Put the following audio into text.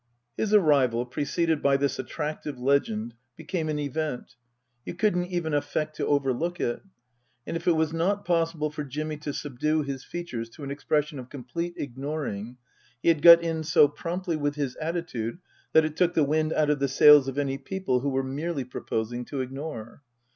His arrival, preceded by this attractive legend, became an event. You couldn't even affect to overlook it. And if it was not possible for Jimmy to subdue his features to an expression of complete ignoring, he had got in so promptly with his attitude that it took the wind out of the sails of any people who were merely proposing to ignore.